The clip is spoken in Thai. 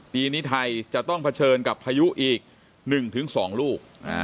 ปีนี้ไทยจะต้องเผชิญกับพายุอีก๑๒ลูก